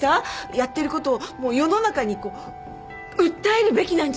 やってることを世の中にこう訴えるべきなんじゃないの？